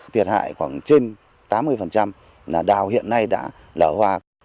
thiệt hại khoảng trên tám mươi là đào hiện nay đã lở hoa